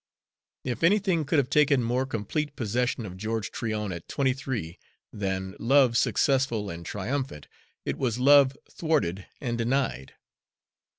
If anything could have taken more complete possession of George Tryon at twenty three than love successful and triumphant, it was love thwarted and denied.